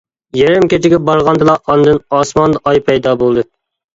يېرىم كېچىگە بارغاندىلا ئاندىن ئاسماندا ئاي پەيدا بولدى.